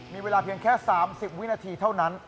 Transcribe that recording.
มีเวลาเพียงแค่๓๐วินาทีเท่านั้น